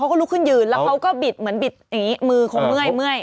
เขาก็ลุกขึ้นอยู่แล้วเขาก็บิดมือคงเมื่อย